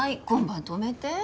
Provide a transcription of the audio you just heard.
今晩泊めて。